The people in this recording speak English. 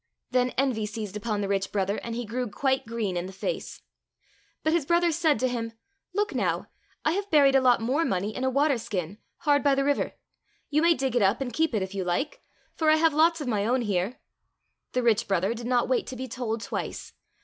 Then envy seized upon the rich brother, and he grew quite green in the face. But his brother said to him, " Look now ! 262 THE UNLUCKY DAYS I have buried a lot more money in a water skin, hard by the river ; you may dig it up and keep it if you like, for I have lots of my own here !" The rich brother did not wait to be told twice.